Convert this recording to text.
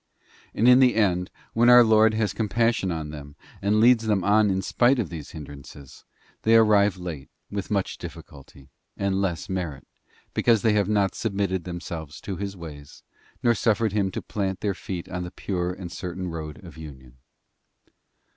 And in the end, when our Lord has compassion on them, and leads them on in spite of these hindrances, they arrive late, with much difficulty, and less merit, because they have not submitted themselves to His ways, nor suffered Him to plant their feet on the pure and certain road of union.